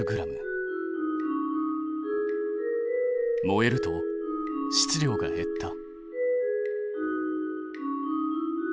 燃えると質量が減った。